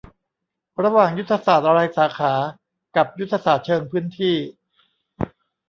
ระหว่างยุทธศาสตร์รายสาขากับยุทธศาสตร์เชิงพื้นที่